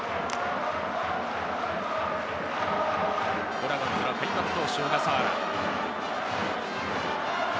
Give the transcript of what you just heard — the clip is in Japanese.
ドラゴンズの開幕投手・小笠原。